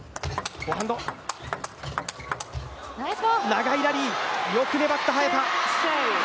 長いラリー、よく粘った、早田。